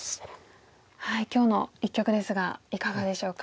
今日の一局ですがいかがでしょうか？